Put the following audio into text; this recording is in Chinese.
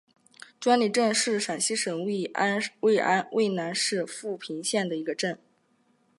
庄里镇是陕西省渭南市富平县的一个镇。